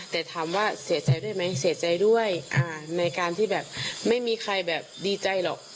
แต่ถามว่าเสียใจด้วยไหมเสียใจด้วยในการที่แบบไม่มีใครแบบดีใจหรอก